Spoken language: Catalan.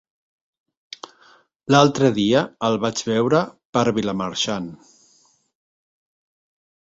L'altre dia el vaig veure per Vilamarxant.